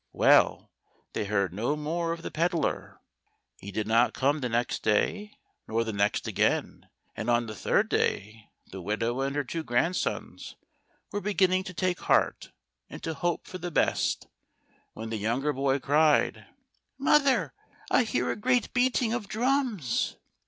Well, they heard no more of the pedlar. He did not come the next day, nor the next again, and on the third day the widow and her two grandsons were beginning to take heart, and to hope for the best, when the younger boy cried :" Mother, I hear a great beating of drums